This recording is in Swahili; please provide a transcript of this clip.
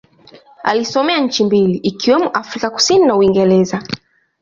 Alisomea nchi mbili ikiwemo Afrika Kusini na Uingereza.